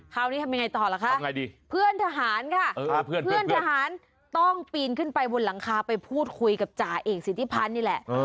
คราวนี้ทำยังไงต่อล่ะคะเพื่อนทหารค่ะเพื่อนทหารต้องปีนขึ้นไปบนหลังคาไปพูดคุยกับจ่าเอกสิทธิพันธ์นี่แหละ